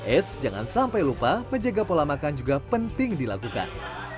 eits jangan sampai lupa menjaga pola makan juga penting dilakukan